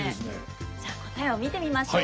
じゃあ答えを見てみましょう。